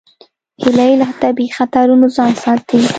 هیلۍ له طبیعي خطرونو ځان ساتي